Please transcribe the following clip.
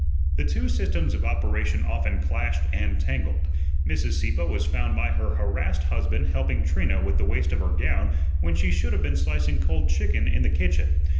The two systems of operation often clashed and tangled. Mrs. Sieppe was found by her harassed husband helping Trina with the waist of her gown when she should have been slicing cold chicken in the kitchen.